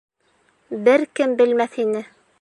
Бер кем белмәҫ ине.